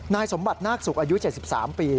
นายสมบัตินาคศุกร์อายุ๗๓ปี